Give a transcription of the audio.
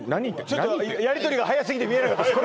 ちょっとやりとりがはやすぎて見えなかったです